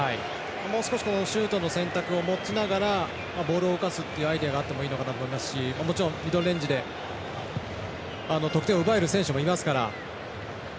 もう少しシュートの選択を持ちながらボールを動かすアイデアがあってもいいのかなと思いますしもちろん、ミドルレンジで得点を奪える選手もいますから。